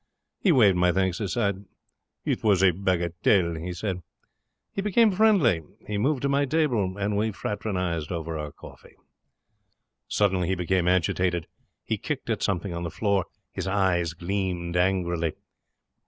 He waved my thanks aside. 'It was a bagatelle,' he said. We became friendly. He moved to my table, and we fraternized over our coffee. Suddenly he became agitated. He kicked at something on the floor. His eyes gleamed angrily.